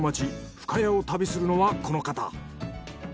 深谷を旅するのはこの方。